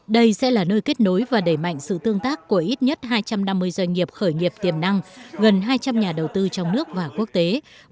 đây sẽ là nơi kết nối và đẩy mạnh sự tương tác của ít nhất hai trăm năm mươi doanh nghiệp khởi nghiệp tiềm năng gần hai trăm linh nhà đầu tư trong nước và quốc tế